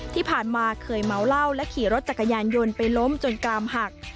ที่ผ่านมาเคยเมาเหล้าและขี่รถจักรยานยนต์ไปล้มจนกลามหัก